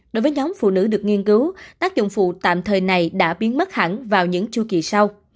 đối với nhóm phụ nữ được nghiên cứu tác dụng phụ tạm thời này đã biến mất hẳn vào những chu kỳ sau